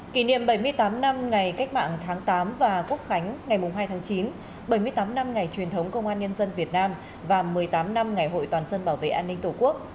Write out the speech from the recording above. kỷ niệm bảy mươi tám năm ngày cách mạng tháng tám và quốc khánh ngày hai tháng chín bảy mươi tám năm ngày truyền thống công an nhân dân việt nam và một mươi tám năm ngày hội toàn dân bảo vệ an ninh tổ quốc